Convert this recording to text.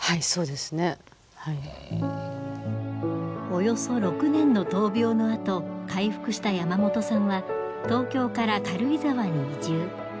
およそ６年の闘病のあと回復した山本さんは東京から軽井沢に移住。